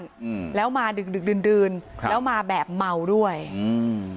อืมแล้วมาดึกดึกดื่นดื่นครับแล้วมาแบบเมาด้วยอืม